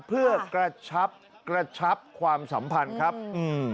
เพื่อกระชับความสัมพันธ์ครับ